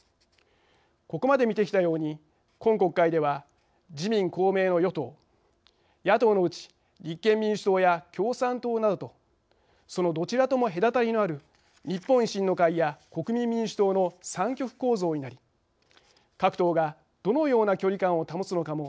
ここまで見てきたように今国会では自民・公明の与党野党のうち立憲民主党や共産党などとそのどちらとも隔たりのある日本維新の会や国民民主党の３極構造になり各党がどのような距離感を保つのかも焦点です。